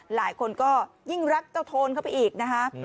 หลายคนก็ยิ่งรักเจ้าโทนเข้าไปอีกนะคะ